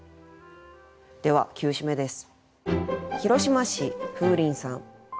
では９首目です。